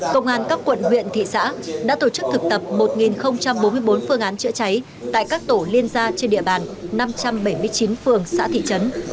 công an các quận huyện thị xã đã tổ chức thực tập một bốn mươi bốn phương án chữa cháy tại các tổ liên gia trên địa bàn năm trăm bảy mươi chín phường xã thị trấn